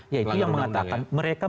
yaitu yang mengatakan mereka